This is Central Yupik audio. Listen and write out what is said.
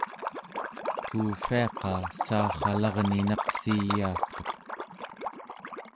kuuvviaqa saarralarninaqsiyaagtuq